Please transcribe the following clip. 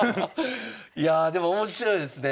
いやあでも面白いですね。